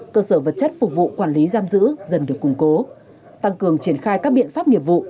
cơ sở vật chất phục vụ quản lý giam giữ dần được củng cố tăng cường triển khai các biện pháp nghiệp vụ